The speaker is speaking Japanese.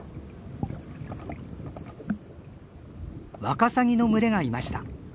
ワカサギの群れがいました。